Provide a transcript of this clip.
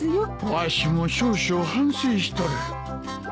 わしも少々反省しとる。